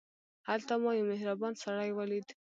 هلته ما یو مهربان سړی ولید.